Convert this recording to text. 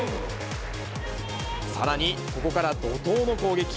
さらにここから怒とうの攻撃。